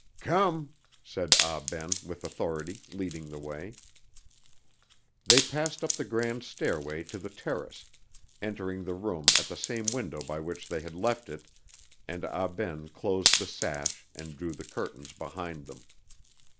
"Come!" said Ah Ben, with authority, leading the way. They passed up the grand stairway to the terrace, entering the room at the same window by which they had left it, and Ah Ben closed the sash and drew the curtains behind them.